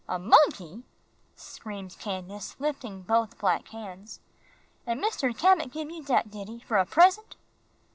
"A monkey!" screamed Candace, lifting both black hands. "An' Mr. Cabot gib you dat did he, fer a present?"